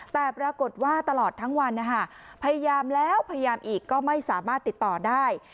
แต่ปรากฏว่าตลอดทั้งวันพยายามแล้วพยายามอีกก็ไม่สามารถติดต่อได้